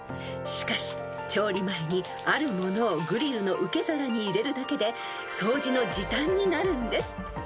［しかし調理前にあるものをグリルの受け皿に入れるだけで掃除の時短になるんです］